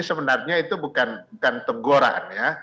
sebenarnya itu bukan teguran